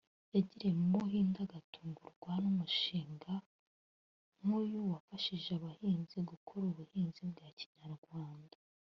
yagiriye mu Buhinde agatungurwa n’umushinga nk’uyu wafashije abahinzi gukora ubuhinzi bwa kinyamwuga